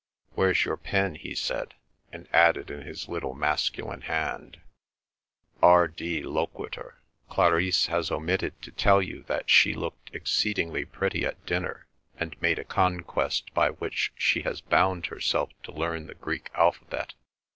"Where's your pen?" he said; and added in his little masculine hand: R.D. loquitur: Clarice has omitted to tell you that she looked exceedingly pretty at dinner, and made a conquest by which she has bound herself to learn the Greek alphabet.